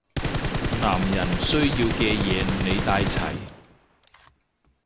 男人需要嘅嘢你帶齊